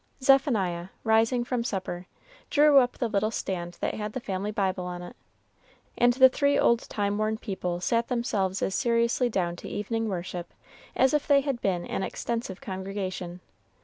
Zephaniah, rising from supper, drew up the little stand that had the family Bible on it, and the three old time worn people sat themselves as seriously down to evening worship as if they had been an extensive congregation.